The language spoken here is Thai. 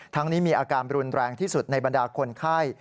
นี้มีอาการรุนแรงที่สุดในบรรดาคนไข้